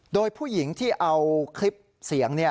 โดยผู้หญิงที่เอาคลิปเสียง